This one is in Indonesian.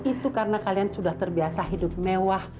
itu karena kalian sudah terbiasa hidup mewah